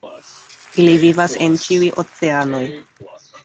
Ili vivas en ĉiuj oceanoj.